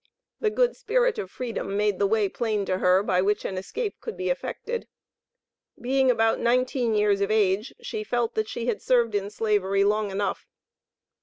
The good spirit of freedom made the way plain to her by which an escape could be effected. Being about nineteen years of age, she felt that she had served in Slavery long enough.